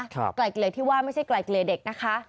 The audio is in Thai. ไกลเกลี่ยที่ว่าไม่ใช่ไกลเกลี่ยเด็กนะคะ